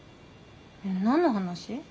何の話？